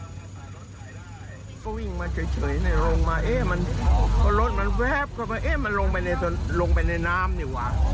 ก็วิ่งมาเฉยลงมาเอ๊ะรถมันแวบลงไปในน้ำนี่ว่ะ